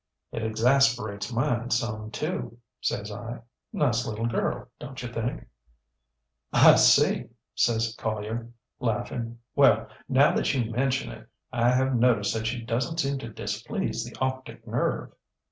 ŌĆÖ ŌĆ£ŌĆśIt exasperates mine some, too, ŌĆÖ says I. ŌĆśNice little girl, donŌĆÖt you think? ŌĆÖ ŌĆ£ŌĆśI see, ŌĆÖ says Collier, laughing. ŌĆśWell, now that you mention it, I have noticed that she doesnŌĆÖt seem to displease the optic nerve.